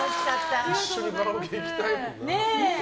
一緒にカラオケ行きたいな。